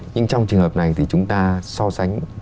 nhưng trong trường hợp này thì chúng ta so sánh